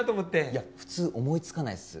いや普通思いつかないっす